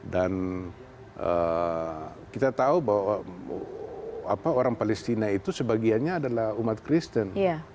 dan kita tahu bahwa orang palestina itu sebagiannya adalah umat kristian